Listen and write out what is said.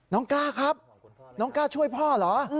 กล้าครับน้องกล้าช่วยพ่อเหรอ